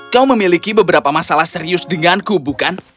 kau memiliki beberapa masalah serius denganku bukan